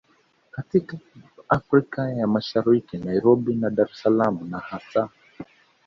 katika Afrika ya Mashariki Nairobi na Dar es Salaam na hasa